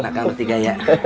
maka bertiga ya